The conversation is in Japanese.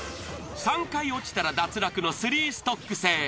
３回落ちたら脱落の３ストック制。